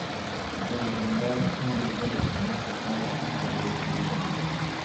د ارغنداب سیند اوبه د صنعت لپاره هم کارول کېږي.